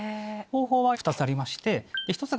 方法は２つありまして。